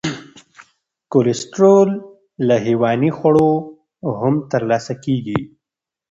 کلسترول له حیواني خوړو هم تر لاسه کېږي.